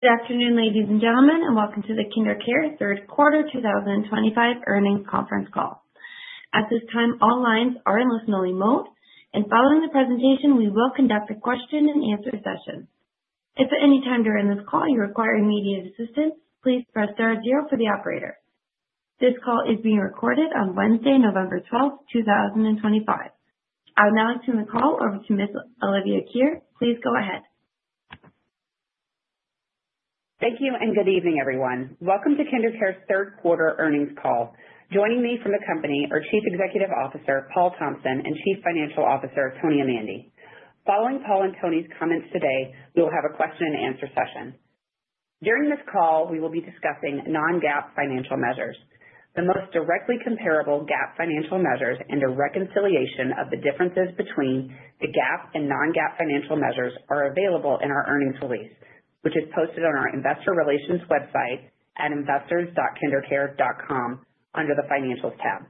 Good afternoon, ladies and gentlemen, and welcome to the KinderCare Third Quarter 2025 Earnings Conference Call. At this time, all lines are in listen-only mode, and following the presentation, we will conduct a question-and-answer session. If at any time during this call you require immediate assistance, please press star zero for the operator. This call is being recorded on Wednesday, November 12th, 2025. I'm now extending the call over to Ms. Olivia Kirrer. Please go ahead. Thank you, and good evening, everyone. Welcome to KinderCare's Third Quarter Earnings Call. Joining me from the company are Chief Executive Officer Paul Thompson and Chief Financial Officer Tony Amandi. Following Paul and Tony's comments today, we will have a question-and-answer session. During this call, we will be discussing non-GAAP financial measures. The most directly comparable GAAP financial measures and a reconciliation of the differences between the GAAP and non-GAAP financial measures are available in our earnings release, which is posted on our investor relations website at investors.kindercare.com under the Financials tab,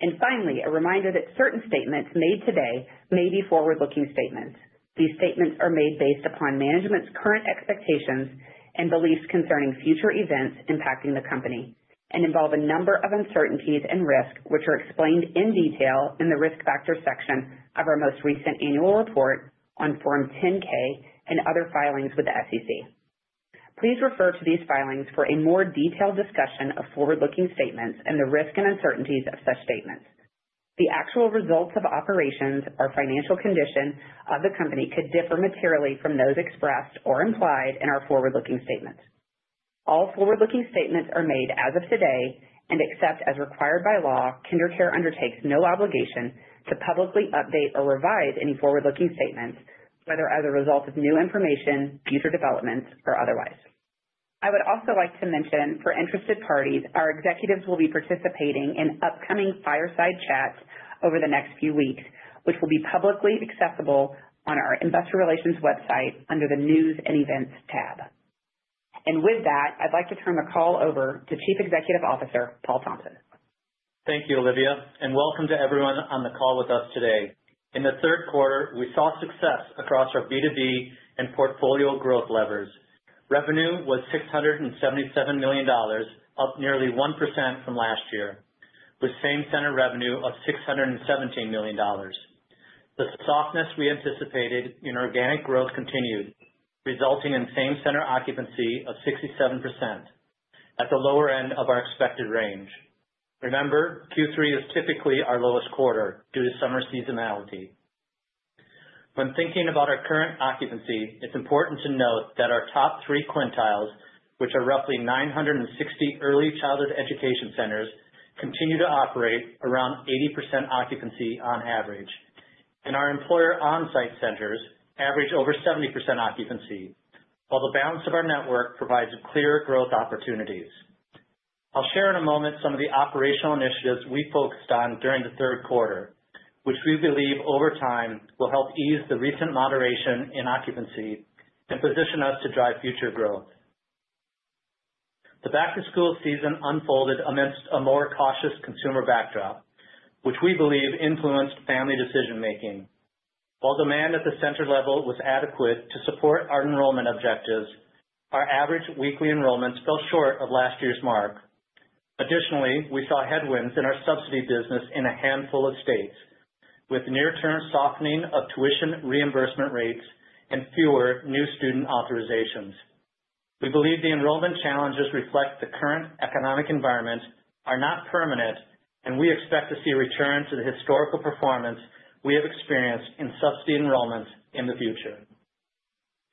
and finally, a reminder that certain statements made today may be forward-looking statements. These statements are made based upon management's current expectations and beliefs concerning future events impacting the company and involve a number of uncertainties and risks, which are explained in detail in the risk factor section of our most recent annual report on Form 10-K and other filings with the SEC. Please refer to these filings for a more detailed discussion of forward-looking statements and the risks and uncertainties of such statements. The actual results of operations or financial condition of the company could differ materially from those expressed or implied in our forward-looking statements. All forward-looking statements are made as of today, and except as required by law, KinderCare undertakes no obligation to publicly update or revise any forward-looking statements, whether as a result of new information, future developments, or otherwise. I would also like to mention, for interested parties, our executives will be participating in upcoming fireside chats over the next few weeks, which will be publicly accessible on our investor relations website under the News and Events tab. And with that, I'd like to turn the call over to Chief Executive Officer Paul Thompson. Thank you, Olivia, and welcome to everyone on the call with us today. In the third quarter, we saw success across our B2B and portfolio growth levers. Revenue was $677 million, up nearly 1% from last year, with same-center revenue of $617 million. The softness we anticipated in organic growth continued, resulting in same-center occupancy of 67%, at the lower end of our expected range. Remember, Q3 is typically our lowest quarter due to summer seasonality. When thinking about our current occupancy, it's important to note that our top three quintiles, which are roughly 960 early childhood education centers, continue to operate around 80% occupancy on average. And our employer-onsite centers average over 70% occupancy, while the balance of our network provides clear growth opportunities. I'll share in a moment some of the operational initiatives we focused on during the third quarter, which we believe over time will help ease the recent moderation in occupancy and position us to drive future growth. The back-to-school season unfolded amidst a more cautious consumer backdrop, which we believe influenced family decision-making. While demand at the center level was adequate to support our enrollment objectives, our average weekly enrollment fell short of last year's mark. Additionally, we saw headwinds in our subsidy business in a handful of states, with near-term softening of tuition reimbursement rates and fewer new student authorizations. We believe the enrollment challenges reflect the current economic environment, are not permanent, and we expect to see returns to the historical performance we have experienced in subsidy enrollments in the future.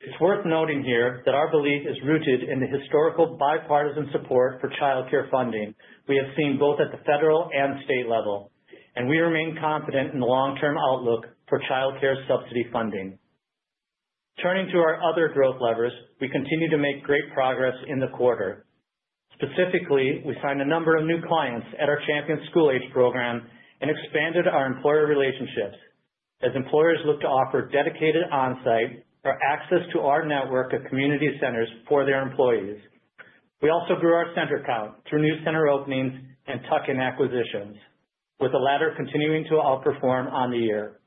It's worth noting here that our belief is rooted in the historical bipartisan support for childcare funding we have seen both at the federal and state level, and we remain confident in the long-term outlook for childcare subsidy funding. Turning to our other growth levers, we continue to make great progress in the quarter. Specifically, we signed a number of new clients at our Champions School Age program and expanded our employer relationships as employers look to offer dedicated onsite or access to our network of community centers for their employees. We also grew our center count through new center openings and tuck-in acquisitions, with the latter continuing to outperform on the year.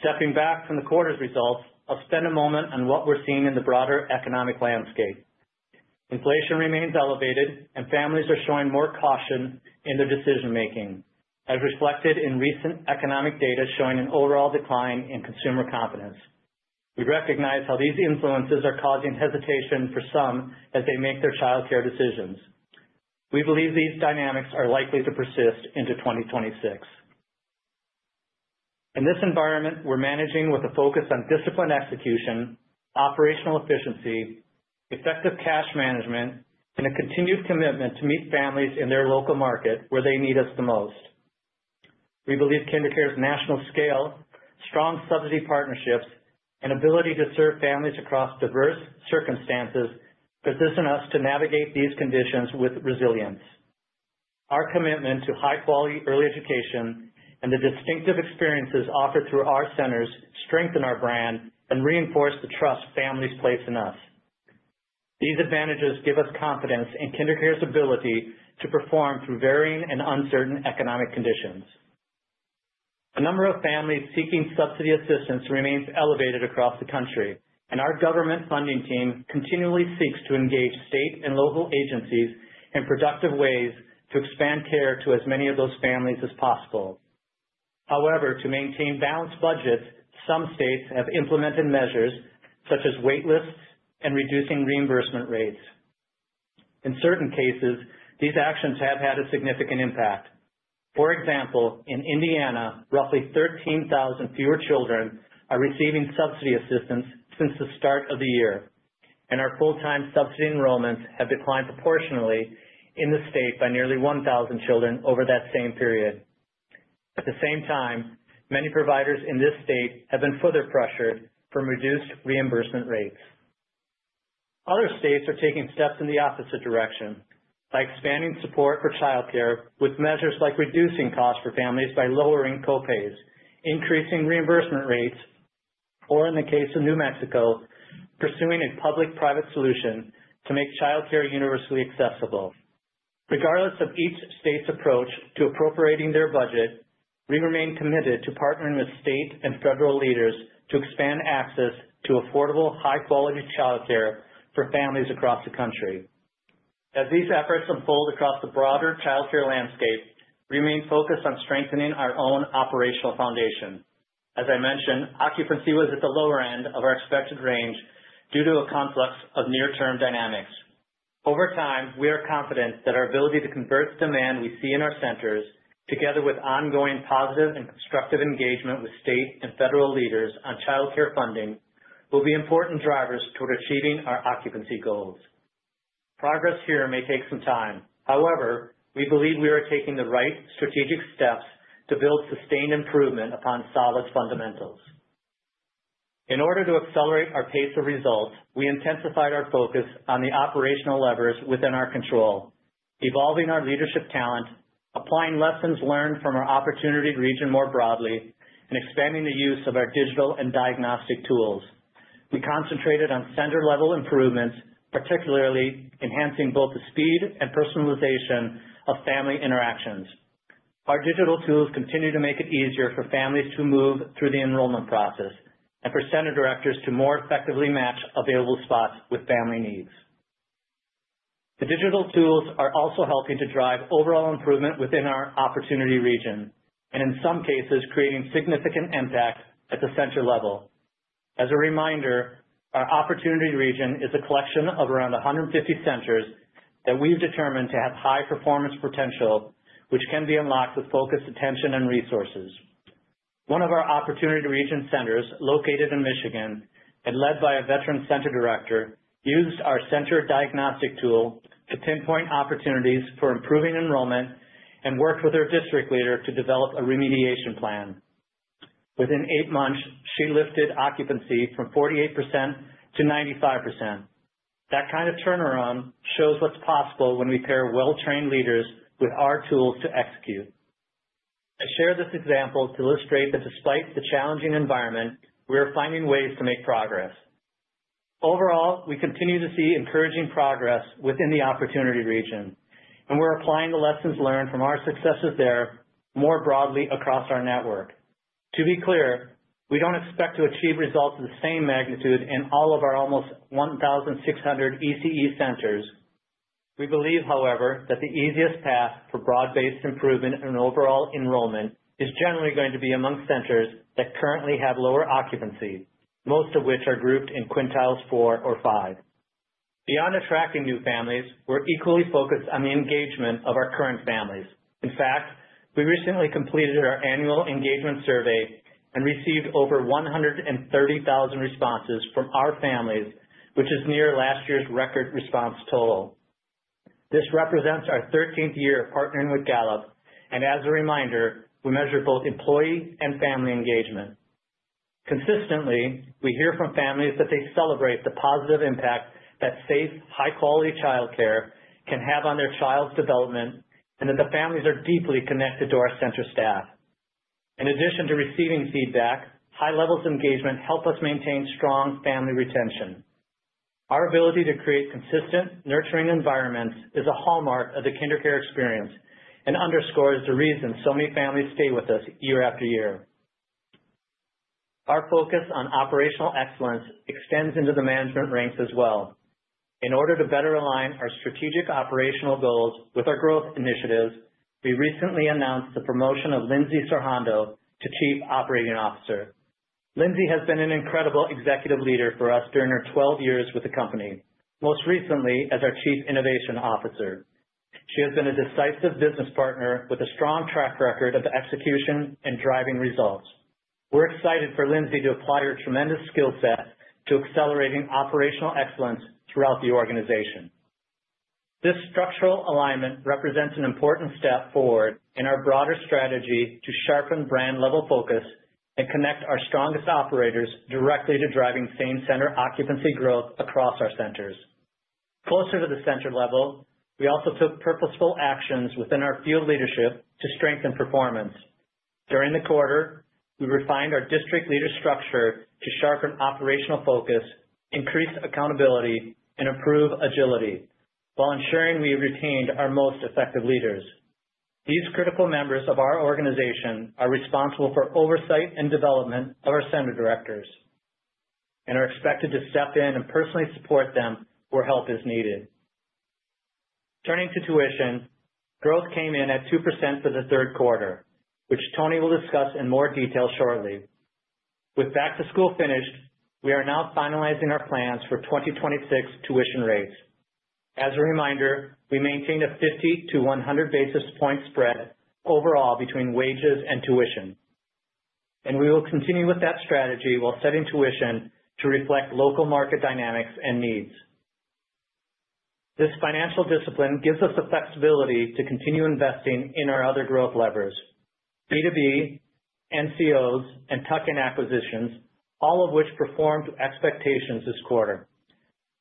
Stepping back from the quarter's results, I'll spend a moment on what we're seeing in the broader economic landscape. Inflation remains elevated, and families are showing more caution in their decision-making, as reflected in recent economic data showing an overall decline in consumer confidence. We recognize how these influences are causing hesitation for some as they make their childcare decisions. We believe these dynamics are likely to persist into 2026. In this environment, we're managing with a focus on discipline execution, operational efficiency, effective cash management, and a continued commitment to meet families in their local market where they need us the most. We believe KinderCare's national scale, strong subsidy partnerships, and ability to serve families across diverse circumstances position us to navigate these conditions with resilience. Our commitment to high-quality early education and the distinctive experiences offered through our centers strengthen our brand and reinforce the trust families place in us. These advantages give us confidence in KinderCare's ability to perform through varying and uncertain economic conditions. A number of families seeking subsidy assistance remains elevated across the country, and our government funding team continually seeks to engage state and local agencies in productive ways to expand care to as many of those families as possible. However, to maintain balanced budgets, some states have implemented measures such as waitlists and reducing reimbursement rates. In certain cases, these actions have had a significant impact. For example, in Indiana, roughly 13,000 fewer children are receiving subsidy assistance since the start of the year, and our full-time subsidy enrollments have declined proportionally in the state by nearly 1,000 children over that same period. At the same time, many providers in this state have been further pressured for reduced reimbursement rates. Other states are taking steps in the opposite direction by expanding support for childcare with measures like reducing costs for families by lowering co-pays, increasing reimbursement rates, or, in the case of New Mexico, pursuing a public-private solution to make childcare universally accessible. Regardless of each state's approach to appropriating their budget, we remain committed to partnering with state and federal leaders to expand access to affordable, high-quality childcare for families across the country. As these efforts unfold across the broader childcare landscape, we remain focused on strengthening our own operational foundation. As I mentioned, occupancy was at the lower end of our expected range due to a complex of near-term dynamics. Over time, we are confident that our ability to convert the demand we see in our centers, together with ongoing positive and constructive engagement with state and federal leaders on childcare funding, will be important drivers toward achieving our occupancy goals. Progress here may take some time. However, we believe we are taking the right strategic steps to build sustained improvement upon solid fundamentals. In order to accelerate our pace of results, we intensified our focus on the operational levers within our control, evolving our leadership talent, applying lessons learned from our opportunity region more broadly, and expanding the use of our digital and diagnostic tools. We concentrated on center-level improvements, particularly enhancing both the speed and personalization of family interactions. Our digital tools continue to make it easier for families to move through the enrollment process and for center directors to more effectively match available spots with family needs. The digital tools are also helping to drive overall improvement within our opportunity region and, in some cases, creating significant impact at the center level. As a reminder, our opportunity region is a collection of around 150 centers that we've determined to have high performance potential, which can be unlocked with focused attention and resources. One of our opportunity region centers, located in Michigan and led by a veteran center director, used our center diagnostic tool to pinpoint opportunities for improving enrollment and worked with her district leader to develop a remediation plan. Within eight months, she lifted occupancy from 48%-95%. That kind of turnaround shows what's possible when we pair well-trained leaders with our tools to execute. I share this example to illustrate that despite the challenging environment, we are finding ways to make progress. Overall, we continue to see encouraging progress within the opportunity region, and we're applying the lessons learned from our successes there more broadly across our network. To be clear, we don't expect to achieve results of the same magnitude in all of our almost 1,600 ECE centers. We believe, however, that the easiest path for broad-based improvement in overall enrollment is generally going to be among centers that currently have lower occupancy, most of which are grouped in quintiles four or five. Beyond attracting new families, we're equally focused on the engagement of our current families. In fact, we recently completed our annual engagement survey and received over 130,000 responses from our families, which is near last year's record response total. This represents our 13th year of partnering with Gallup, and as a reminder, we measure both employee and family engagement. Consistently, we hear from families that they celebrate the positive impact that safe, high-quality childcare can have on their child's development and that the families are deeply connected to our center staff. In addition to receiving feedback, high levels of engagement help us maintain strong family retention. Our ability to create consistent, nurturing environments is a hallmark of the KinderCare experience and underscores the reason so many families stay with us year after year. Our focus on operational excellence extends into the management ranks as well. In order to better align our strategic operational goals with our growth initiatives, we recently announced the promotion of Lindsay Sorhondo to Chief Operating Officer. Lindsay has been an incredible executive leader for us during her 12 years with the company, most recently as our Chief Innovation Officer. She has been a decisive business partner with a strong track record of execution and driving results. We're excited for Lindsay to apply her tremendous skill set to accelerating operational excellence throughout the organization. This structural alignment represents an important step forward in our broader strategy to sharpen brand-level focus and connect our strongest operators directly to driving same-center occupancy growth across our centers. Closer to the center level, we also took purposeful actions within our field leadership to strengthen performance. During the quarter, we refined our district leader structure to sharpen operational focus, increase accountability, and improve agility, while ensuring we retained our most effective leaders. These critical members of our organization are responsible for oversight and development of our center directors and are expected to step in and personally support them where help is needed. Turning to tuition, growth came in at 2% for the third quarter, which Tony will discuss in more detail shortly. With back-to-school finished, we are now finalizing our plans for 2026 tuition rates. As a reminder, we maintain a 50-100 basis point spread overall between wages and tuition, and we will continue with that strategy while setting tuition to reflect local market dynamics and needs. This financial discipline gives us the flexibility to continue investing in our other growth levers: B2B, NCOs, and tuck-in acquisitions, all of which performed to expectations this quarter.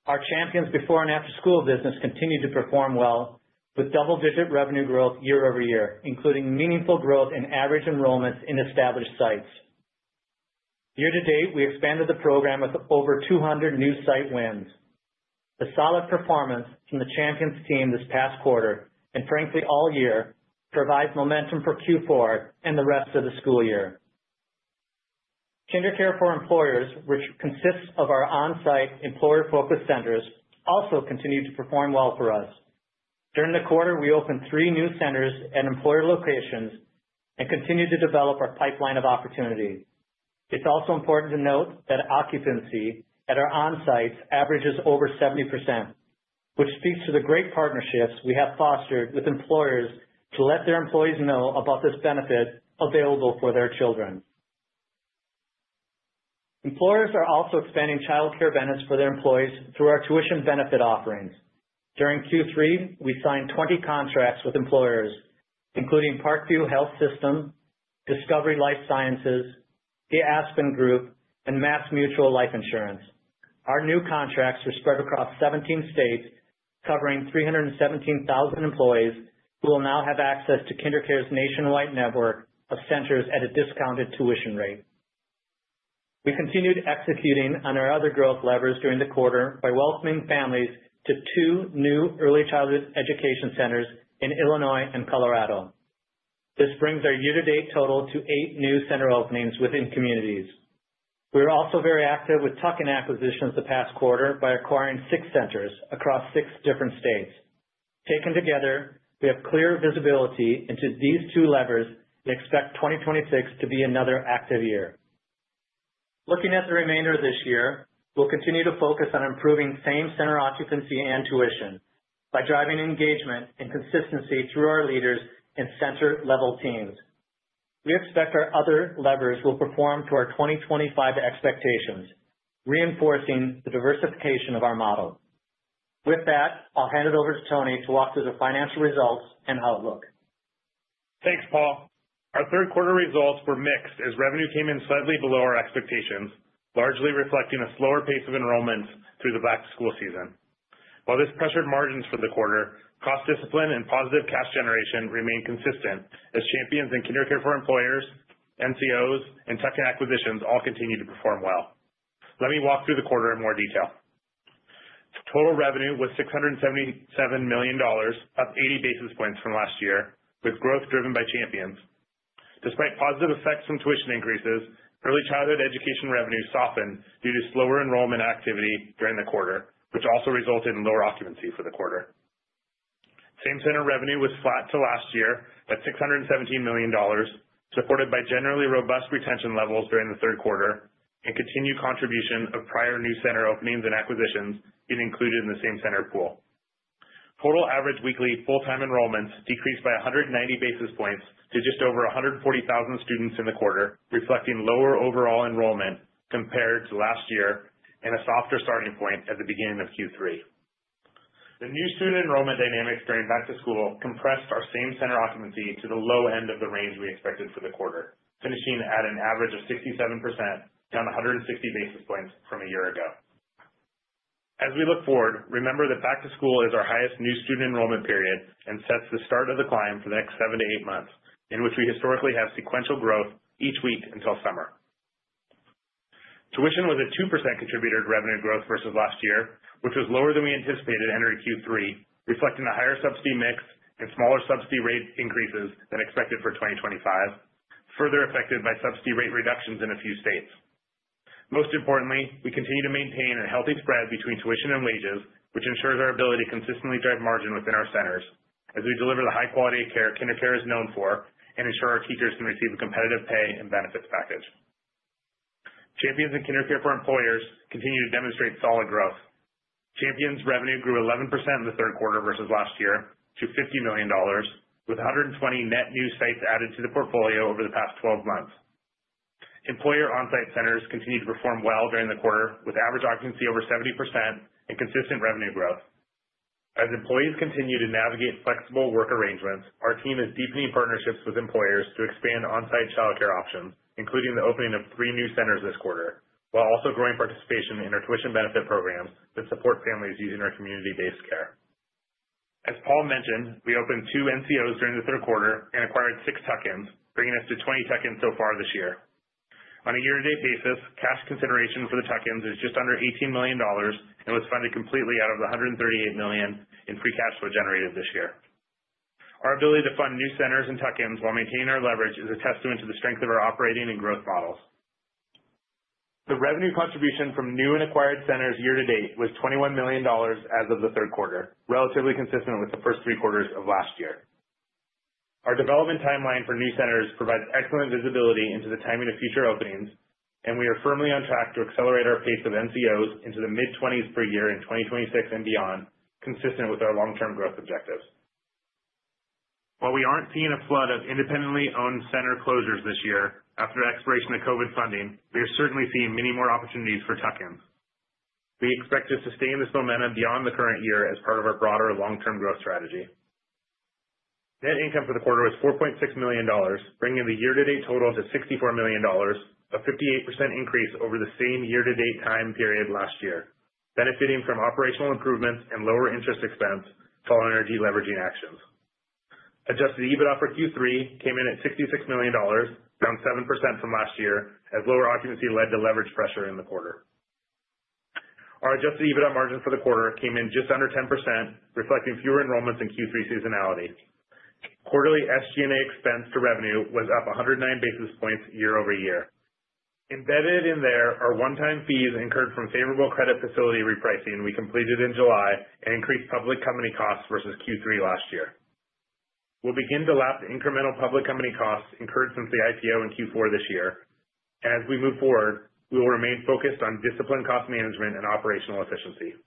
Our Champions before and after-school business continued to perform well with double-digit revenue growth year over year, including meaningful growth in average enrollments in established sites. Year to date, we expanded the program with over 200 new site wins. The solid performance from the Champions team this past quarter and, frankly, all year provides momentum for Q4 and the rest of the school year. KinderCare for Employers, which consists of our onsite employer-focused centers, also continued to perform well for us. During the quarter, we opened three new centers at employer locations and continued to develop our pipeline of opportunity. It's also important to note that occupancy at our onsites averages over 70%, which speaks to the great partnerships we have fostered with employers to let their employees know about this benefit available for their children. Employers are also expanding childcare benefits for their employees through our tuition benefit offerings. During Q3, we signed 20 contracts with employers, including Parkview Health System, Discovery Life Sciences, The Aspen Group, and MassMutual Life Insurance. Our new contracts were spread across 17 states, covering 317,000 employees who will now have access to KinderCare's nationwide network of centers at a discounted tuition rate. We continued executing on our other growth levers during the quarter by welcoming families to two new early childhood education centers in Illinois and Colorado. This brings our year-to-date total to eight new center openings within communities. We were also very active with tuck-in acquisitions the past quarter by acquiring six centers across six different states. Taken together, we have clear visibility into these two levers and expect 2026 to be another active year. Looking at the remainder of this year, we'll continue to focus on improving same-center occupancy and tuition by driving engagement and consistency through our leaders and center-level teams. We expect our other levers will perform to our 2025 expectations, reinforcing the diversification of our model. With that, I'll hand it over to Tony to walk through the financial results and outlook. Thanks, Paul. Our third quarter results were mixed as revenue came in slightly below our expectations, largely reflecting a slower pace of enrollments through the back-to-school season. While this pressured margins for the quarter, cost discipline and positive cash generation remained consistent as Champions and KinderCare at Work, NCOs, and tuck-in acquisitions all continued to perform well. Let me walk through the quarter in more detail. Total revenue was $677 million, up 80 basis points from last year, with growth driven by Champions. Despite positive effects from tuition increases, early childhood education revenue softened due to slower enrollment activity during the quarter, which also resulted in lower occupancy for the quarter. Same-center revenue was flat to last year at $617 million, supported by generally robust retention levels during the third quarter and continued contribution of prior new center openings and acquisitions being included in the same-center pool. Total average weekly full-time enrollments decreased by 190 basis points to just over 140,000 students in the quarter, reflecting lower overall enrollment compared to last year and a softer starting point at the beginning of Q3. The new student enrollment dynamics during back-to-school compressed our same-center occupancy to the low end of the range we expected for the quarter, finishing at an average of 67%, down 160 basis points from a year ago. As we look forward, remember that back-to-school is our highest new student enrollment period and sets the start of the climb for the next seven to eight months, in which we historically have sequential growth each week until summer. Tuition was a 2% contributor to revenue growth versus last year, which was lower than we anticipated entering Q3, reflecting a higher subsidy mix and smaller subsidy rate increases than expected for 2025, further affected by subsidy rate reductions in a few states. Most importantly, we continue to maintain a healthy spread between tuition and wages, which ensures our ability to consistently drive margin within our centers as we deliver the high quality of care KinderCare is known for and ensure our teachers can receive a competitive pay and benefits package. Champions and KinderCare for Employers continue to demonstrate solid growth. Champions revenue grew 11% in the third quarter versus last year to $50 million, with 120 net new sites added to the portfolio over the past 12 months. Employer onsite centers continue to perform well during the quarter, with average occupancy over 70% and consistent revenue growth. As employees continue to navigate flexible work arrangements, our team is deepening partnerships with employers to expand onsite childcare options, including the opening of three new centers this quarter, while also growing participation in our tuition benefit programs that support families using our community-based care. As Paul mentioned, we opened two NCOs during the third quarter and acquired six tuck-ins, bringing us to 20 tuck-ins so far this year. On a year-to-date basis, cash consideration for the tuck-ins is just under $18 million and was funded completely out of the $138 million in free cash flow generated this year. Our ability to fund new centers and tuck-ins while maintaining our leverage is a testament to the strength of our operating and growth models. The revenue contribution from new and acquired centers year to date was $21 million as of the third quarter, relatively consistent with the first three quarters of last year. Our development timeline for new centers provides excellent visibility into the timing of future openings, and we are firmly on track to accelerate our pace of NCOs into the mid-20s per year in 2026 and beyond, consistent with our long-term growth objectives. While we aren't seeing a flood of independently owned center closures this year after the expiration of COVID funding, we are certainly seeing many more opportunities for tuck-ins. We expect to sustain this momentum beyond the current year as part of our broader long-term growth strategy. Net income for the quarter was $4.6 million, bringing the year-to-date total to $64 million, a 58% increase over the same year-to-date time period last year, benefiting from operational improvements and lower interest expense due to all our deleveraging actions. Adjusted EBITDA for Q3 came in at $66 million, down 7% from last year, as lower occupancy led to leverage pressure in the quarter. Our adjusted EBITDA margin for the quarter came in just under 10%, reflecting fewer enrollments in Q3 seasonality. Quarterly SG&A expense to revenue was up 109 basis points year-over-year. Embedded in there are one-time fees incurred from favorable credit facility repricing we completed in July and increased public company costs versus Q3 last year. We'll begin to lap incremental public company costs incurred since the IPO in Q4 this year. As we move forward, we will remain focused on disciplined cost management and operational efficiency.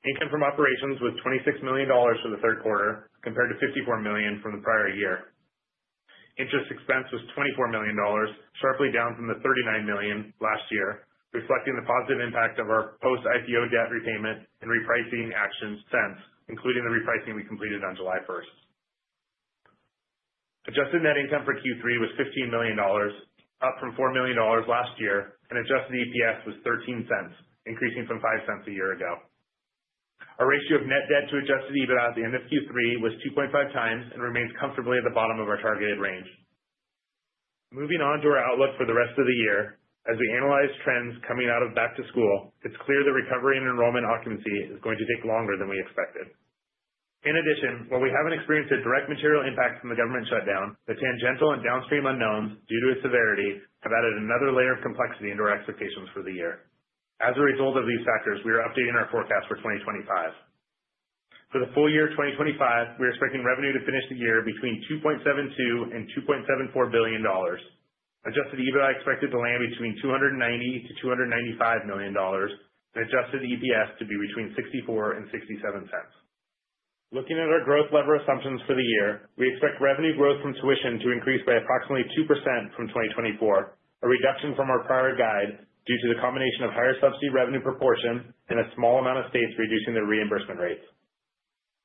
Income from operations was $26 million for the third quarter, compared to $54 million from the prior year. Interest expense was $24 million, sharply down from the $39 million last year, reflecting the positive impact of our post-IPO debt repayment and repricing actions since, including the repricing we completed on July 1st. Adjusted net income for Q3 was $15 million, up from $4 million last year, and adjusted EPS was $0.13, increasing from $0.05 a year ago. Our ratio of net debt to adjusted EBITDA at the end of Q3 was 2.5x and remains comfortably at the bottom of our targeted range. Moving on to our outlook for the rest of the year, as we analyze trends coming out of back-to-school, it's clear that recovery and enrollment occupancy is going to take longer than we expected. In addition, while we haven't experienced a direct material impact from the government shutdown, the tangential and downstream unknowns due to its severity have added another layer of complexity into our expectations for the year. As a result of these factors, we are updating our forecast for 2025. For the full year 2025, we're expecting revenue to finish the year between $2.72-$2.74 billion. Adjusted EBITDA expected to land between $290-$295 million and adjusted EPS to be between $0.64-$0.67. Looking at our growth lever assumptions for the year, we expect revenue growth from tuition to increase by approximately 2% from 2024, a reduction from our prior guide due to the combination of higher subsidy revenue proportion and a small amount of states reducing their reimbursement rates.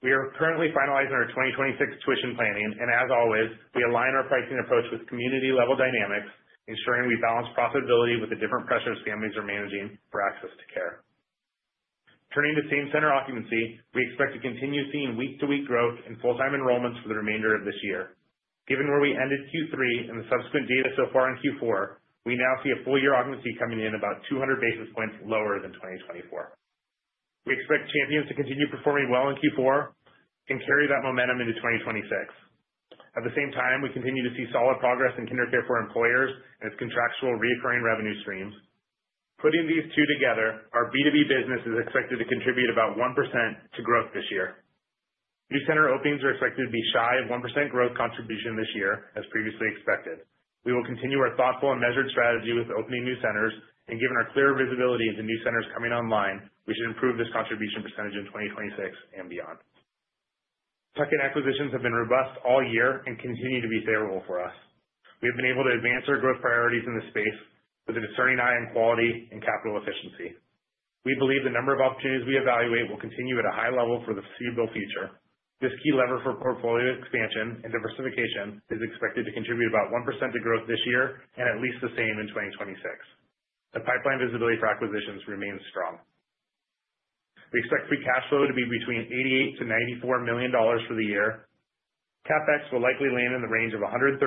We are currently finalizing our 2026 tuition planning, and as always, we align our pricing approach with community-level dynamics, ensuring we balance profitability with the different pressures families are managing for access to care. Turning to same-center occupancy, we expect to continue seeing week-to-week growth in full-time enrollments for the remainder of this year. Given where we ended Q3 and the subsequent data so far in Q4, we now see a full year occupancy coming in about 200 basis points lower than 2024. We expect Champions to continue performing well in Q4 and carry that momentum into 2026. At the same time, we continue to see solid progress in KinderCare at Work and its contractual recurring revenue streams. Putting these two together, our B2B business is expected to contribute about 1% to growth this year. New center openings are expected to be shy of 1% growth contribution this year, as previously expected. We will continue our thoughtful and measured strategy with opening new centers, and given our clear visibility into new centers coming online, we should improve this contribution percentage in 2026 and beyond. Tuck-in acquisitions have been robust all year and continue to be favorable for us. We have been able to advance our growth priorities in this space with a discerning eye on quality and capital efficiency. We believe the number of opportunities we evaluate will continue at a high level for the foreseeable future. This key lever for portfolio expansion and diversification is expected to contribute about 1% to growth this year and at least the same in 2026. The pipeline visibility for acquisitions remains strong. We expect free cash flow to be between $88-$94 million for the year. CapEx will likely land in the range of $131-$133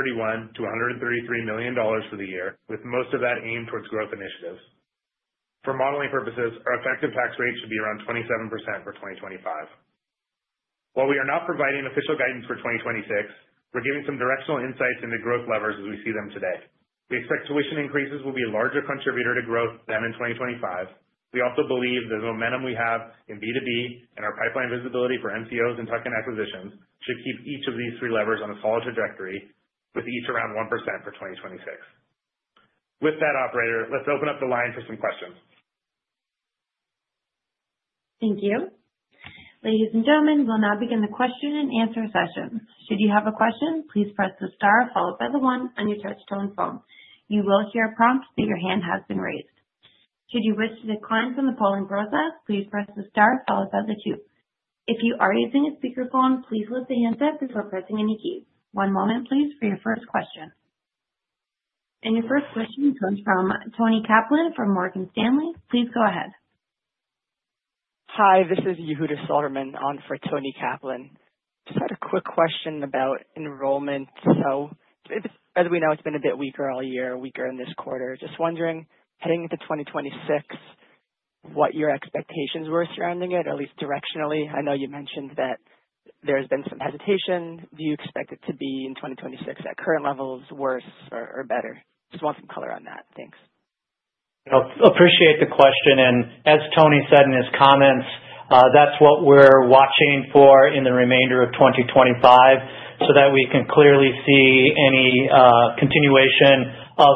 million for the year, with most of that aimed towards growth initiatives. For modeling purposes, our effective tax rate should be around 27% for 2025. While we are not providing official guidance for 2026, we're giving some directional insights into growth levers as we see them today. We expect tuition increases will be a larger contributor to growth than in 2025. We also believe the momentum we have in B2B and our pipeline visibility for NCOs and tuck in acquisitions should keep each of these three levers on a solid trajectory, with each around 1% for 2026. With that, Operator, let's open up the line for some questions. Thank you. Ladies and gentlemen, we'll now begin the question and answer session. Should you have a question, please press the star followed by the one on your touch-tone phone. You will hear a prompt that your hand has been raised. Should you wish to decline from the polling process, please press the star followed by the two. If you are using a speakerphone, please lift the handset before pressing any keys. One moment, please, for your first question, and your first question comes from Toni Kaplan from Morgan Stanley. Please go ahead. Hi, this is Yehuda Silverman on for Toni Kaplan. Just had a quick question about enrollment. So, as we know, it's been a bit weaker all year, weaker in this quarter. Just wondering, heading into 2026, what your expectations were surrounding it, or at least directionally? I know you mentioned that there's been some hesitation. Do you expect it to be in 2026 at current levels, worse or better? Just want some color on that. Thanks. I appreciate the question. And as Tony said in his comments, that's what we're watching for in the remainder of 2025 so that we can clearly see any continuation of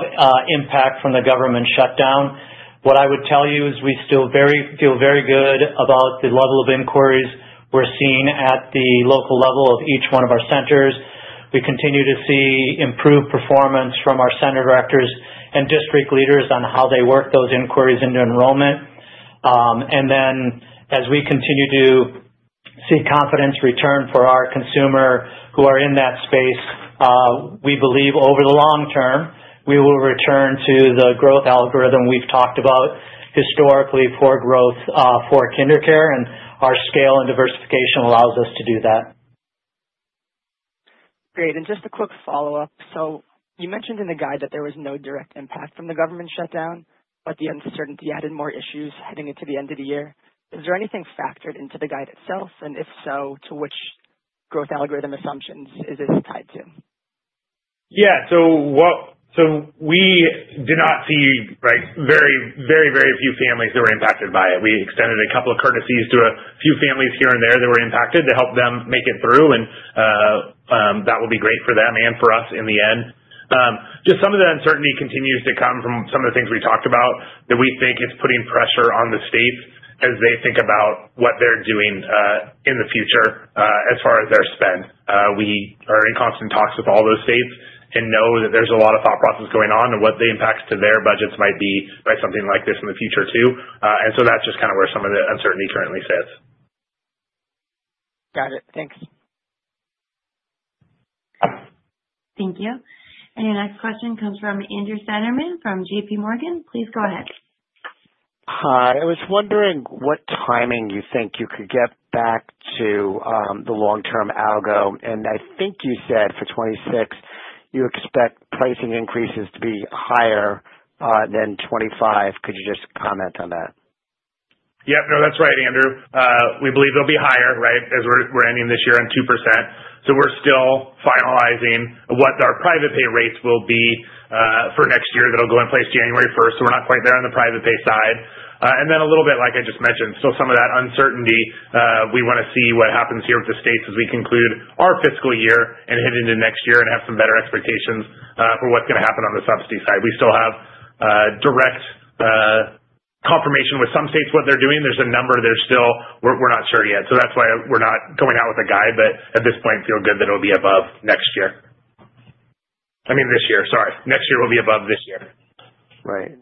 impact from the government shutdown. What I would tell you is we still feel very good about the level of inquiries we're seeing at the local level of each one of our centers. We continue to see improved performance from our center directors and district leaders on how they work those inquiries into enrollment. And then, as we continue to see confidence return for our consumer who are in that space, we believe over the long term, we will return to the growth algorithm we've talked about historically for growth for KinderCare, and our scale and diversification allows us to do that. Great. And just a quick follow-up. You mentioned in the guide that there was no direct impact from the government shutdown, but the uncertainty added more issues heading into the end of the year. Is there anything factored into the guide itself? And if so, to which growth algorithm assumptions is this tied to? Yeah. So, we did not see very, very, very few families that were impacted by it. We extended a couple of courtesies to a few families here and there that were impacted to help them make it through, and that will be great for them and for us in the end. Just some of the uncertainty continues to come from some of the things we talked about that we think is putting pressure on the states as they think about what they're doing in the future as far as their spend. We are in constant talks with all those states and know that there's a lot of thought process going on and what the impacts to their budgets might be by something like this in the future too. And so, that's just kind of where some of the uncertainty currently sits. Got it. Thanks. Thank you. And your next question comes from Andrew Steinerman from JPMorgan. Please go ahead. Hi. I was wondering what timing you think you could get back to the long-term algo. And I think you said for 2026, you expect pricing increases to be higher than 2025. Could you just comment on that? Yep. No, that's right, Andrew. We believe they'll be higher, right, as we're ending this year on 2%. So, we're still finalizing what our private pay rates will be for next year that'll go in place January 1st. So, we're not quite there on the private pay side. And then a little bit like I just mentioned, still some of that uncertainty. We want to see what happens here with the states as we conclude our fiscal year and head into next year and have some better expectations for what's going to happen on the subsidy side. We still have direct confirmation with some states what they're doing. There's a number there still. We're not sure yet. So, that's why we're not going out with a guide, but at this point, feel good that it'll be above next year. I mean, this year. Sorry. Next year will be above this year. Right.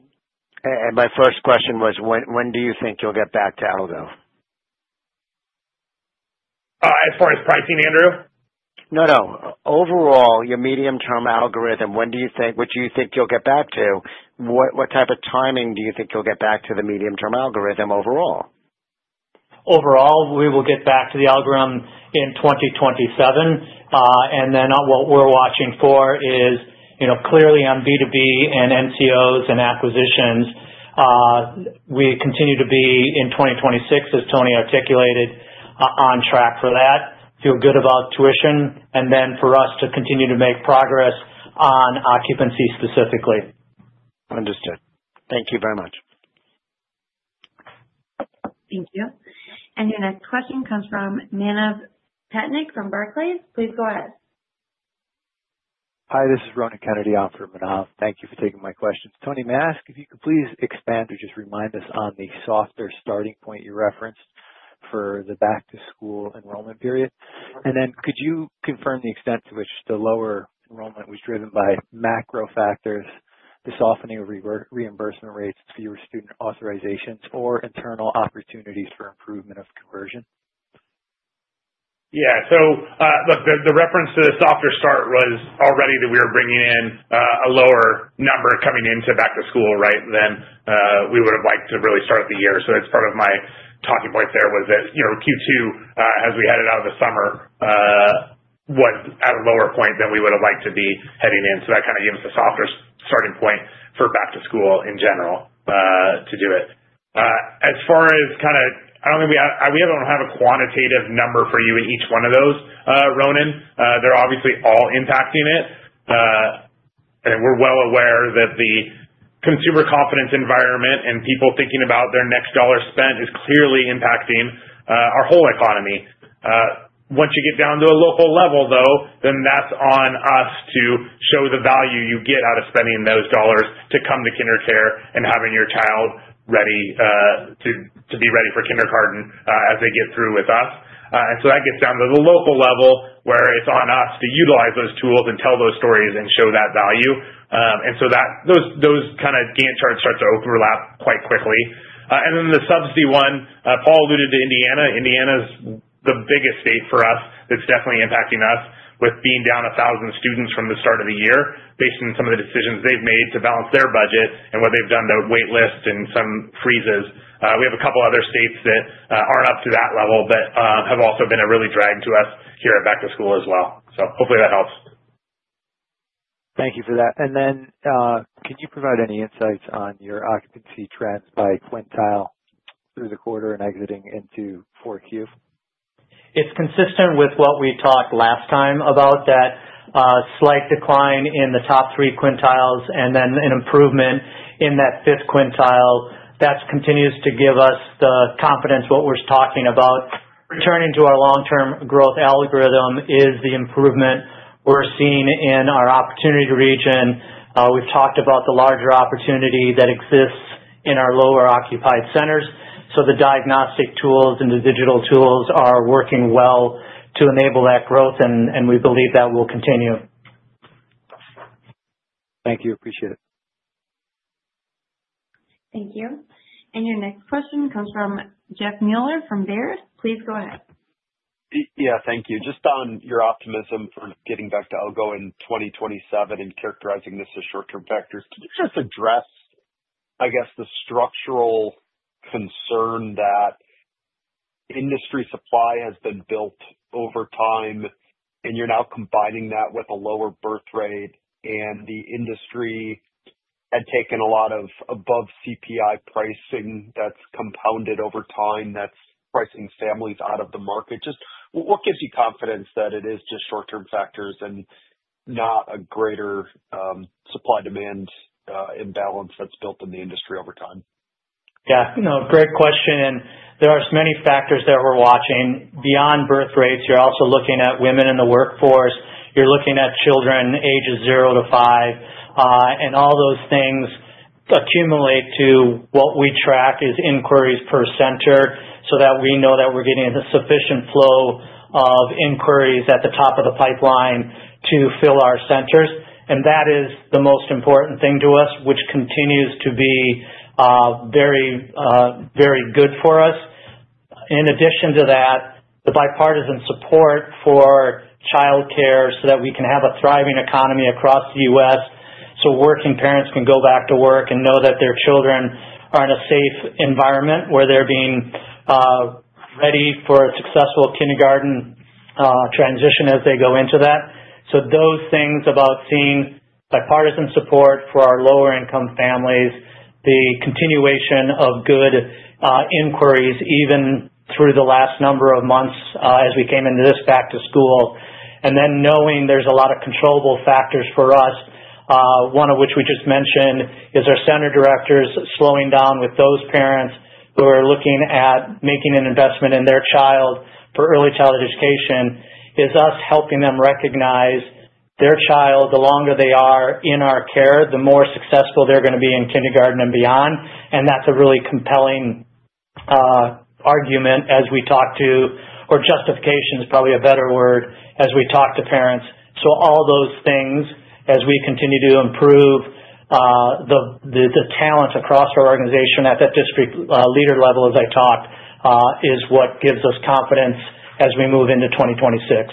And my first question was, when do you think you'll get back to algo? As far as pricing, Andrew? No, no. Overall, your medium-term algorithm, when do you think you'll get back to? What type of timing do you think you'll get back to the medium-term algorithm overall? Overall, we will get back to the algorithm in 2027. And then what we're watching for is clearly on B2B and NCOs and acquisitions. We continue to be in 2026, as Tony articulated, on track for that, feel good about tuition, and then for us to continue to make progress on occupancy specifically. Understood. Thank you very much. Thank you. And your next question comes from Manav Patnaik from Barclays. Please go ahead. Hi. This is Ronan Kennedy on for Manav. Thank you for taking my questions. Tony, may I ask if you could please expand or just remind us on the softer starting point you referenced for the back-to-school enrollment period? And then, could you confirm the extent to which the lower enrollment was driven by macro factors, the softening of reimbursement rates, fewer student authorizations, or internal opportunities for improvement of conversion? Yeah. So, look, the reference to the softer start was already that we were bringing in a lower number coming into back-to-school, right, than we would have liked to really start the year. So, as part of my talking points there was that Q2, as we headed out of the summer, was at a lower point than we would have liked to be heading in. So, that kind of gave us a softer starting point for back-to-school in general to do it. As far as kind of, I don't think we have, we don't have a quantitative number for you in each one of those, Ronan. They're obviously all impacting it. And we're well aware that the consumer confidence environment and people thinking about their next dollar spent is clearly impacting our whole economy. Once you get down to a local level, though, then that's on us to show the value you get out of spending those dollars to come to KinderCare and having your child ready to be ready for kindergarten as they get through with us. And so, that gets down to the local level where it's on us to utilize those tools and tell those stories and show that value. And so, those kind of Gantt charts start to overlap quite quickly. And then the subsidy one, Paul alluded to Indiana. Indiana is the biggest state for us that's definitely impacting us with being down 1,000 students from the start of the year based on some of the decisions they've made to balance their budget and what they've done to wait lists and some freezes. We have a couple other states that aren't up to that level but have also been a real drag to us here at back-to-school as well. So, hopefully, that helps. Thank you for that. And then, can you provide any insights on your occupancy trends by quintile through the quarter and exiting into 4Q? It's consistent with what we talked last time about that slight decline in the top three quintiles and then an improvement in that fifth quintile. That continues to give us the confidence in what we're talking about. Returning to our long-term growth algorithm is the improvement we're seeing in our opportunity region. We've talked about the larger opportunity that exists in our lower-occupied centers. So, the diagnostic tools and the digital tools are working well to enable that growth, and we believe that will continue. Thank you. Appreciate it. Thank you. And your next question comes from Jeff Meuler from Baird. Please go ahead. Yeah. Thank you. Just on your optimism for getting back to algo in 2027 and characterizing this as short-term factors, could you just address, I guess, the structural concern that industry supply has been built over time, and you're now combining that with a lower birth rate, and the industry had taken a lot of above CPI pricing that's compounded over time that's pricing families out of the market. Just what gives you confidence that it is just short-term factors and not a greater supply-demand imbalance that's built in the industry over time? Yeah. No, great question. There are many factors that we're watching. Beyond birth rates, you're also looking at women in the workforce. You're looking at children ages zero to five. All those things accumulate to what we track as inquiries per center so that we know that we're getting a sufficient flow of inquiries at the top of the pipeline to fill our centers. That is the most important thing to us, which continues to be very, very good for us. In addition to that, the bipartisan support for childcare so that we can have a thriving economy across the US so working parents can go back to work and know that their children are in a safe environment where they're being ready for a successful kindergarten transition as they go into that. So, those things about seeing bipartisan support for our lower-income families, the continuation of good inquiries even through the last number of months as we came into this back-to-school, and then knowing there's a lot of controllable factors for us, one of which we just mentioned is our center directors slowing down with those parents who are looking at making an investment in their child for early childhood education, is us helping them recognize their child, the longer they are in our care, the more successful they're going to be in kindergarten and beyond. And that's a really compelling argument as we talk to, or justification is probably a better word, as we talk to parents. So, all those things, as we continue to improve the talents across our organization at the district leader level as I talked, is what gives us confidence as we move into 2026.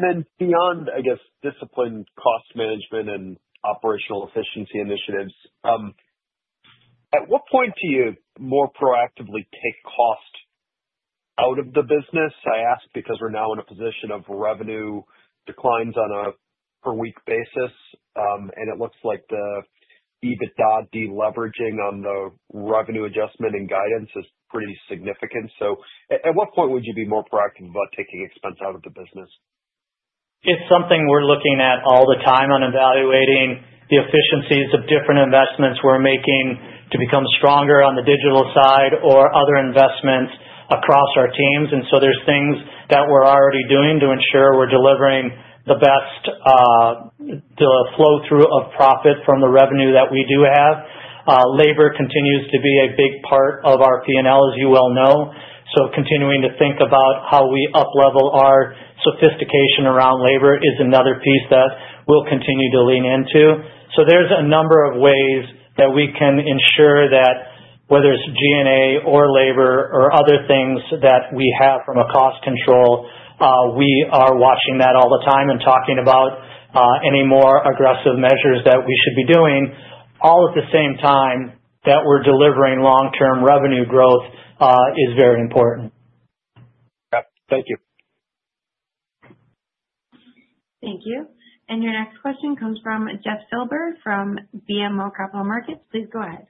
And then beyond, I guess, discipline, cost management, and operational efficiency initiatives, at what point do you more proactively take cost out of the business? I ask because we're now in a position of revenue declines on a per-week basis, and it looks like the EBITDA deleveraging on the revenue adjustment and guidance is pretty significant. So, at what point would you be more proactive about taking expense out of the business? It's something we're looking at all the time on evaluating the efficiencies of different investments we're making to become stronger on the digital side or other investments across our teams. And so, there's things that we're already doing to ensure we're delivering the best flow-through of profit from the revenue that we do have. Labor continues to be a big part of our P&L, as you well know. So, continuing to think about how we up-level our sophistication around labor is another piece that we'll continue to lean into. So, there's a number of ways that we can ensure that whether it's G&A or labor or other things that we have from a cost control, we are watching that all the time and talking about any more aggressive measures that we should be doing. All at the same time that we're delivering long-term revenue growth is very important. Yep. Thank you. Thank you. And your next question comes from Jeff Silber from BMO Capital Markets. Please go ahead.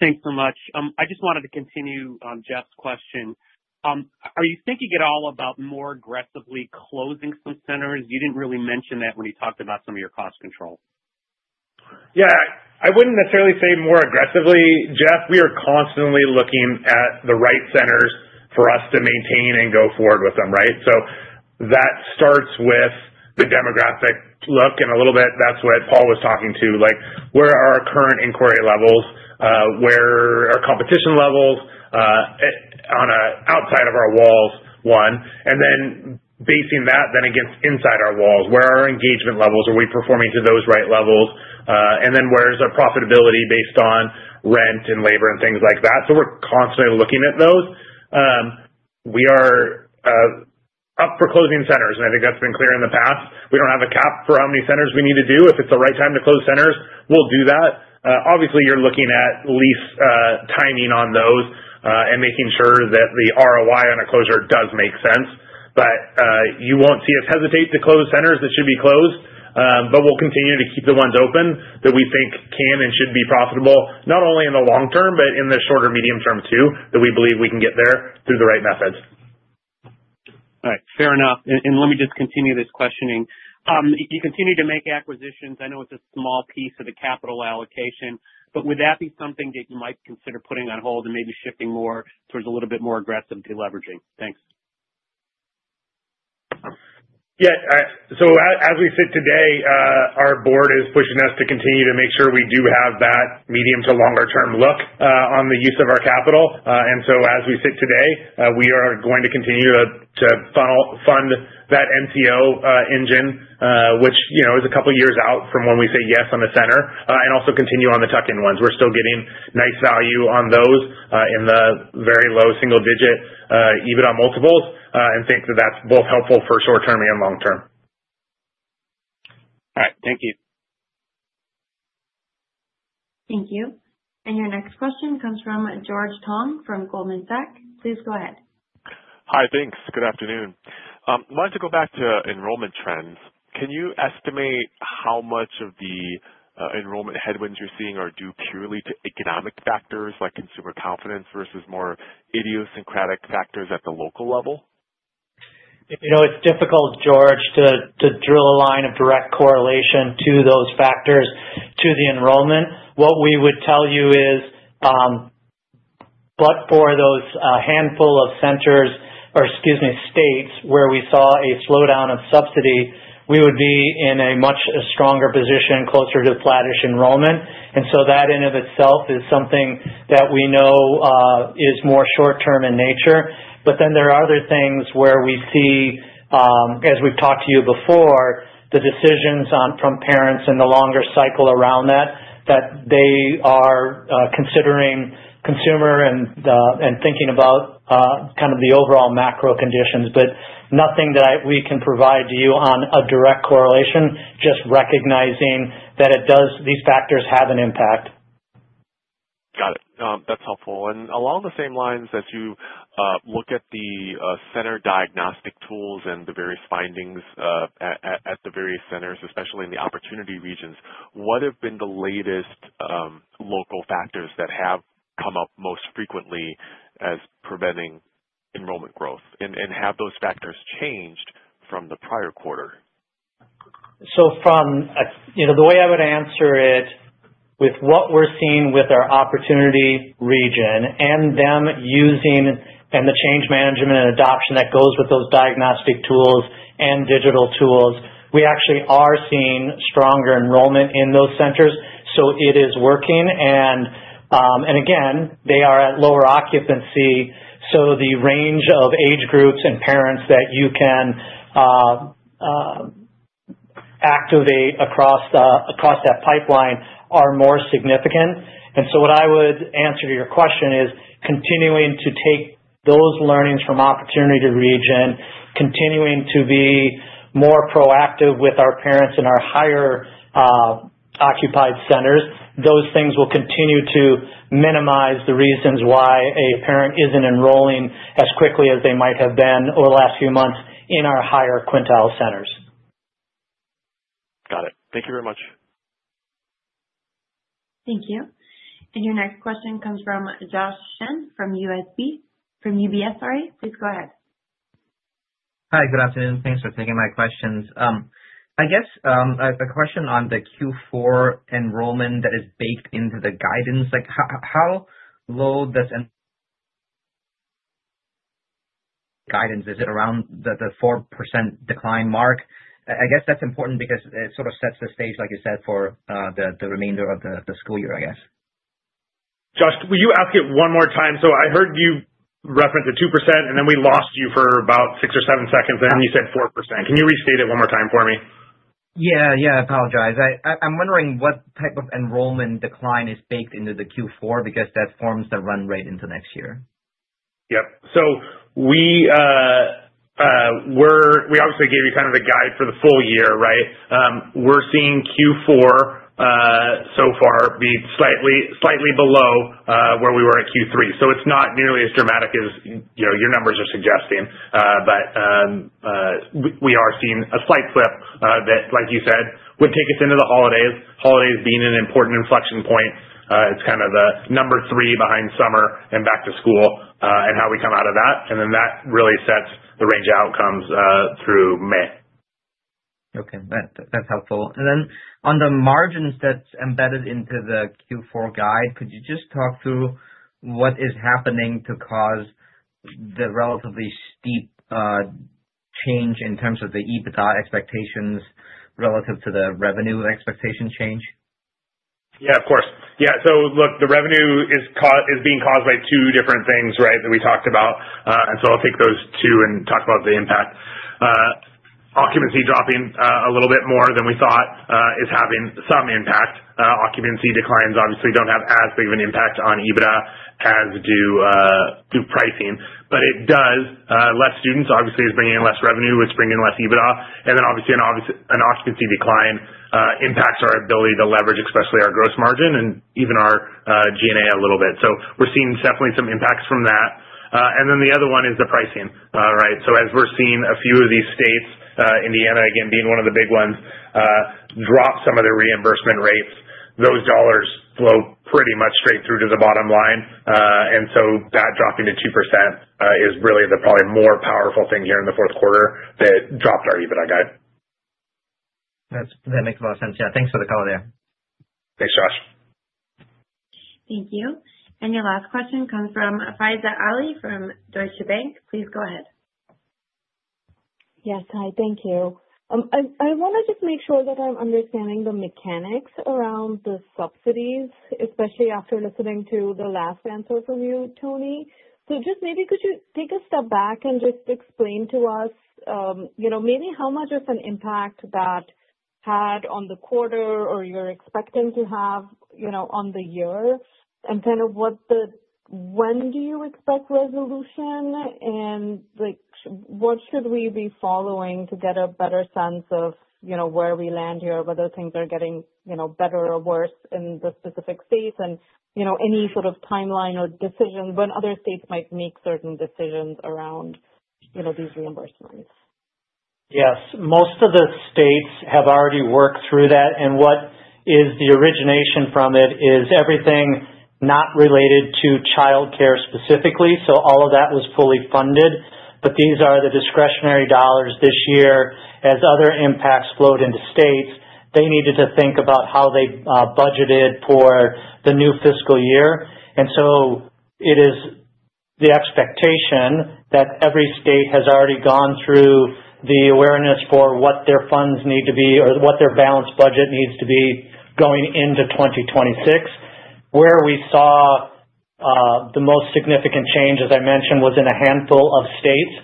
Thanks so much. I just wanted to continue on Jeff's question. Are you thinking at all about more aggressively closing some centers? You didn't really mention that when you talked about some of your cost control. Yeah. I wouldn't necessarily say more aggressively, Jeff. We are constantly looking at the right centers for us to maintain and go forward with them, right, so that starts with the demographic look and a little bit that's what Paul was talking to, like where are our current inquiry levels, where are our competition levels on our outside of our walls, one, and then basing that then against inside our walls, where are our engagement levels? Are we performing to those right levels, and then where's our profitability based on rent and labor and things like that, so we're constantly looking at those. We are up for closing centers, and I think that's been clear in the past. We don't have a cap for how many centers we need to do. If it's the right time to close centers, we'll do that. Obviously, you're looking at lease timing on those and making sure that the ROI on a closure does make sense. But you won't see us hesitate to close centers that should be closed, but we'll continue to keep the ones open that we think can and should be profitable, not only in the long term but in the shorter medium term too, that we believe we can get there through the right methods. All right. Fair enough. And let me just continue this questioning. You continue to make acquisitions. I know it's a small piece of the capital allocation, but would that be something that you might consider putting on hold and maybe shifting more towards a little bit more aggressive deleveraging? Thanks. Yeah. So, as we sit today, our board is pushing us to continue to make sure we do have that medium to longer-term look on the use of our capital. And so, as we sit today, we are going to continue to fund that MCO engine, which is a couple of years out from when we say yes on the center, and also continue on the tuck-in ones. We're still getting nice value on those in the very low single-digit EBITDA multiples and think that that's both helpful for short-term and long-term. All right. Thank you. Thank you. And your next question comes from George Tong from Goldman Sachs. Please go ahead. Hi. Thanks. Good afternoon. I wanted to go back to enrollment trends. Can you estimate how much of the enrollment headwinds you're seeing are due purely to economic factors like consumer confidence versus more idiosyncratic factors at the local level? It's difficult, George, to draw a line of direct correlation to those factors to the enrollment. What we would tell you is, but for those handful of centers or, excuse me, states where we saw a slowdown of subsidy, we would be in a much stronger position, closer to flattish enrollment. And so, that in and of itself is something that we know is more short-term in nature. But then there are other things where we see, as we've talked to you before, the decisions from parents and the longer cycle around that, that they are considering consumer and thinking about kind of the overall macro conditions, but nothing that we can provide to you on a direct correlation, just recognizing that these factors have an impact. Got it. That's helpful. And along the same lines, as you look at the center diagnostic tools and the various findings at the various centers, especially in the opportunity regions, what have been the latest local factors that have come up most frequently as preventing enrollment growth? And have those factors changed from the prior quarter? So, from the way I would answer it with what we're seeing with our opportunity region and them using and the change management and adoption that goes with those diagnostic tools and digital tools, we actually are seeing stronger enrollment in those centers. So, it is working. And again, they are at lower occupancy. So, the range of age groups and parents that you can activate across that pipeline are more significant. And so, what I would answer to your question is continuing to take those learnings from opportunity region, continuing to be more proactive with our parents in our higher-occupied centers. Those things will continue to minimize the reasons why a parent isn't enrolling as quickly as they might have been over the last few months in our higher quintile centers. Got it. Thank you very much. Thank you. Your next question comes from Josh Chan from UBS. Please go ahead. Hi. Good afternoon. Thanks for taking my questions. I guess a question on the Q4 enrollment that is baked into the guidance. How low does guidance is it around the 4% decline mark? I guess that's important because it sort of sets the stage, like you said, for the remainder of the school year, I guess. Josh, will you ask it one more time? So, I heard you reference the 2%, and then we lost you for about six or seven seconds, and then you said 4%. Can you restate it one more time for me? Yeah. I apologize. I'm wondering what type of enrollment decline is baked into the Q4 because that forms the run rate into next year. Yep. We obviously gave you kind of a guide for the full year, right? We're seeing Q4 so far be slightly below where we were at Q3. So, it's not nearly as dramatic as your numbers are suggesting, but we are seeing a slight flip that, like you said, would take us into the holidays, holidays being an important inflection point. It's kind of the number three behind summer and back to school and how we come out of that. And then that really sets the range of outcomes through May. Okay. That's helpful. And then on the margins that's embedded into the Q4 guide, could you just talk through what is happening to cause the relatively steep change in terms of the EBITDA expectations relative to the revenue expectation change? Yeah, of course. Yeah. So, look, the revenue is being caused by two different things, right, that we talked about. And so, I'll take those two and talk about the impact. Occupancy dropping a little bit more than we thought is having some impact. Occupancy declines, obviously, don't have as big of an impact on EBITDA as do pricing, but it does less students, obviously, is bringing in less revenue, which is bringing in less EBITDA. And then, obviously, an occupancy decline impacts our ability to leverage, especially our gross margin and even our G&A a little bit. So, we're seeing definitely some impacts from that. And then the other one is the pricing, right? So, as we're seeing a few of these states, Indiana, again, being one of the big ones, drop some of their reimbursement rates, those dollars flow pretty much straight through to the bottom line. That dropping to 2% is really the probably more powerful thing here in the fourth quarter that dropped our EBITDA guide. That makes a lot of sense. Yeah. Thanks for the color there. Thanks, Josh. Thank you. Your last question comes from Faiza Alwy from Deutsche Bank. Please go ahead. Yes. Hi. Thank you. I want to just make sure that I'm understanding the mechanics around the subsidies, especially after listening to the last answer from you, Tony. So, just maybe could you take a step back and just explain to us maybe how much of an impact that had on the quarter or you're expecting to have on the year and kind of when do you expect resolution and what should we be following to get a better sense of where we land here, whether things are getting better or worse in the specific states and any sort of timeline or decision when other states might make certain decisions around these reimbursements? Yes. Most of the states have already worked through that. And what is the origination from it is everything not related to childcare specifically. So, all of that was fully funded, but these are the discretionary dollars this year. As other impacts flowed into states, they needed to think about how they budgeted for the new fiscal year. And so, it is the expectation that every state has already gone through the awareness for what their funds need to be or what their balanced budget needs to be going into 2026. Where we saw the most significant change, as I mentioned, was in a handful of states.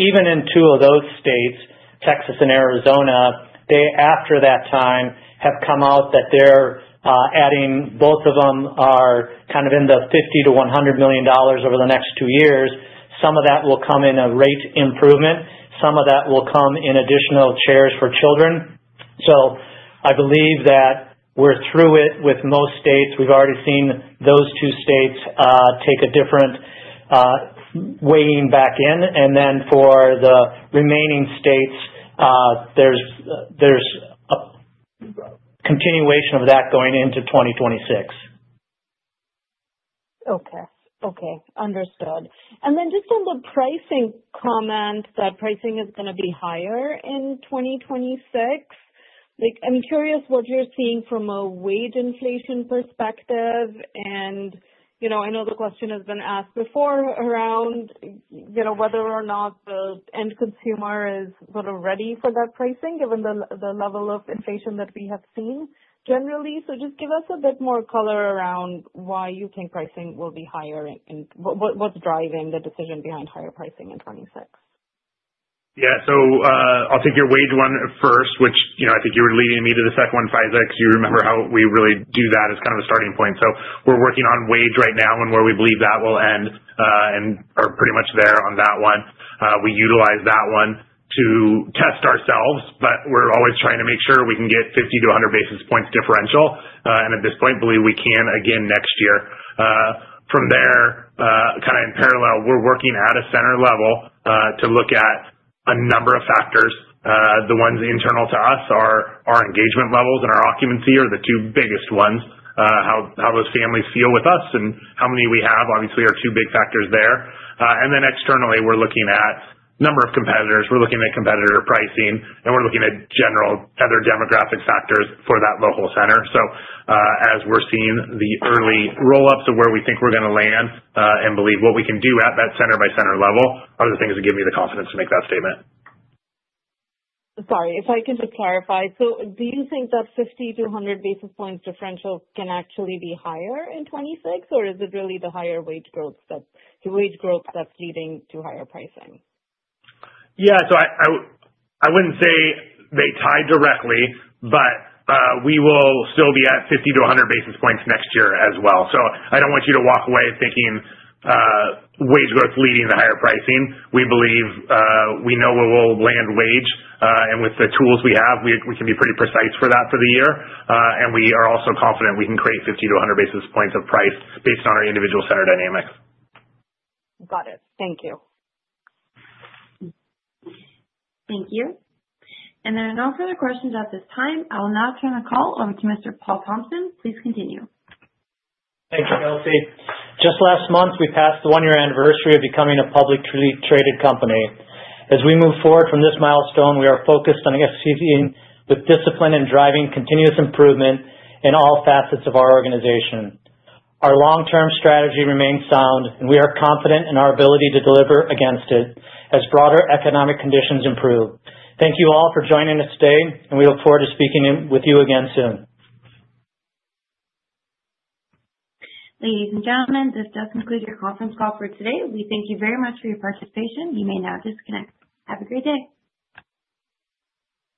Even in two of those states, Texas and Arizona, they after that time have come out that they're adding both of them are kind of in the $50 million-$100 million over the next two years. Some of that will come in a rate improvement. Some of that will come in additional chairs for children. So, I believe that we're through it with most states. We've already seen those two states take a different weighing back in. And then for the remaining states, there's a continuation of that going into 2026. Okay. Okay. Understood. And then just on the pricing comment, that pricing is going to be higher in 2026. I'm curious what you're seeing from a wage inflation perspective. I know the question has been asked before around whether or not the end consumer is sort of ready for that pricing given the level of inflation that we have seen generally. Just give us a bit more color around why you think pricing will be higher and what's driving the decision behind higher pricing in 2026. Yeah. I'll take your wage one first, which I think you were leading me to the second one, Faiza, because you remember how we really do that as kind of a starting point. We're working on wage right now and where we believe that will end and are pretty much there on that one. We utilize that one to test ourselves, but we're always trying to make sure we can get 50-100 basis points differential, and at this point, believe we can again next year. From there, kind of in parallel, we're working at a center level to look at a number of factors. The ones internal to us are our engagement levels and our occupancy are the two biggest ones, how those families feel with us and how many we have. Obviously, our two big factors there, and then externally, we're looking at a number of competitors. We're looking at competitor pricing, and we're looking at general other demographic factors for that local center, so as we're seeing the early roll-ups of where we think we're going to land and believe what we can do at that center-by-center level are the things that give me the confidence to make that statement. Sorry. If I can just clarify, so do you think that 50-100 basis points differential can actually be higher in 2026, or is it really the higher wage growth that's leading to higher pricing? Yeah, so I wouldn't say they tie directly, but we will still be at 50-100 basis points next year as well, so I don't want you to walk away thinking wage growth leading the higher pricing. We believe we know where we'll land wage, and with the tools we have, we can be pretty precise for that for the year, and we are also confident we can create 50-100 basis points of price based on our individual center dynamics. Got it. Thank you. Thank you, and there are no further questions at this time. I will now turn the call over to Mr. Paul Thompson. Please continue. Thank you, Kelsey. Just last month, we passed the one-year anniversary of becoming a publicly traded company. As we move forward from this milestone, we are focused on exceeding with discipline and driving continuous improvement in all facets of our organization. Our long-term strategy remains sound, and we are confident in our ability to deliver against it as broader economic conditions improve. Thank you all for joining us today, and we look forward to speaking with you again soon. Ladies and gentlemen, this does conclude your conference call for today. We thank you very much for your participation. You may now disconnect. Have a great day.